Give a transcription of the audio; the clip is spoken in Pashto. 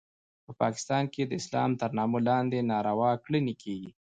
په پاکستان کې د اسلام تر نامه لاندې ناروا کړنې کیږي